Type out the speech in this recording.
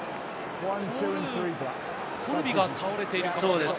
コルビが倒れているかもしれません。